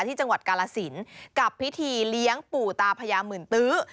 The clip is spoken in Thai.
ที่จังหวัดกาลสินกับพิธีเลี้ยงปู่ตาพญาหมื่นตื้อ